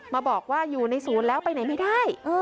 มาบอกว่าอยู่ในศูนย์แล้วไปไหนไม่ได้